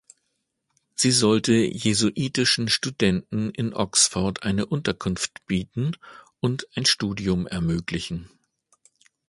Sie sollte jesuitischen Studenten in Oxford eine Unterkunft bieten und ein Studium ermöglichen.